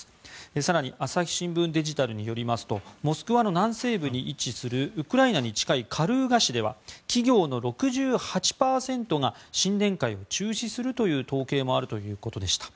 更に朝日新聞デジタルによりますとモスクワの南西部に位置するウクライナに近いカルーガ市では企業の６８％が新年会を中止するという統計もあるということでした。